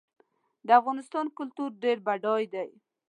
د افغانستان کلتور ډېر بډای دی.